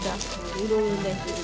いろいろです。